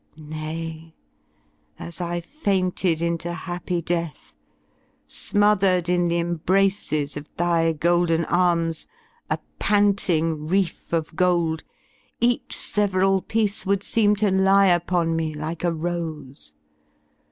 Nay, as I fainted into happy death, Smothered in the embraces of thy golden arms, A panting reef of gold, each several piece Would seem to lie upon me like a rose.